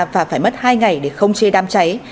và phải mất hai ngày để không chê đám cháy